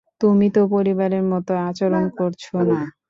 তুমি তো পরিবারের মত আচরন করছ না।